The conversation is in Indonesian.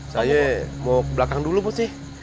saya mau ke belakang dulu bos